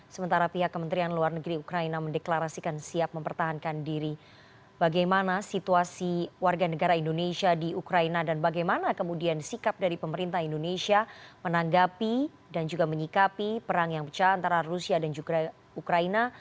sementara pihak kementerian luar negeri ukraina mendeklarasikan siap mempertahankan diri bagaimana situasi warga negara indonesia di ukraina dan bagaimana kemudian sikap dari pemerintah indonesia menanggapi dan juga menyikapi perang yang pecah antara rusia dan juga ukraina